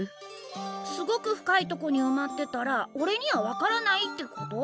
すごく深いとこにうまってたらおれには分からないってこと？